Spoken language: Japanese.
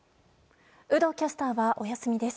有働キャスターはお休みです。